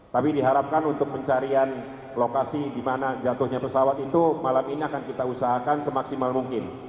tapi diharapkan untuk pencarian lokasi di mana jatuhnya pesawat itu malam ini akan kita usahakan semaksimal mungkin